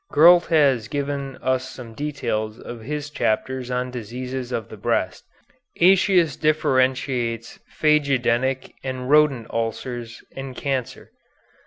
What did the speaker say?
Gurlt has given us some details of his chapters on diseases of the breast. Aëtius differentiates phagedenic and rodent ulcers and cancer.